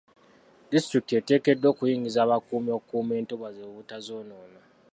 Disitulikiti eteekeddwa okuyingiza abakuumi okukuuma entobazi obutazonoona.